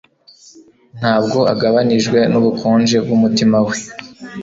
ntabwo agabanijwe nubukonje bwumutima we